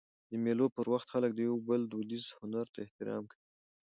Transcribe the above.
د مېلو پر وخت خلک د یو بل دودیز هنر ته احترام کوي.